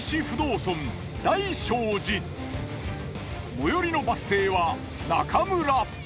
最寄りのバス停は中村。